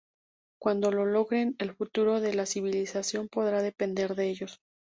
Cuando lo logren, el futuro de la civilización podrá depender de ellos.